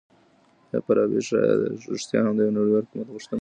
آیا فارابي رښتيا هم د يوه نړيوال حکومت غوښتونکی و؟